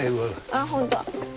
ああ本当！